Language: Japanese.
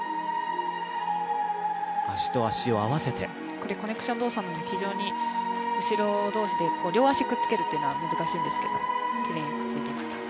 これ、コネクション動作なので後ろ同士で両足をくっつけるというのは難しいんですが、よくできていますね。